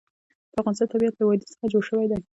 د افغانستان طبیعت له وادي څخه جوړ شوی دی.